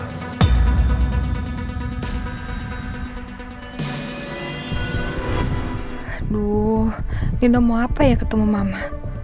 aduh ini mau apa ya ketemu mama